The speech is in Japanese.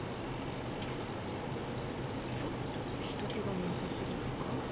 ちょっと人けがなさすぎないか？